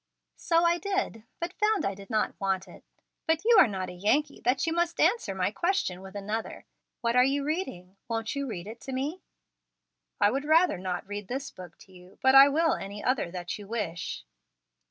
"So I did, but found I did not want it. But you are not a Yankee that you must answer my question with another. What are you reading? Won't you read it to me?" "I would rather not read this book to you; but I will any other that you wish."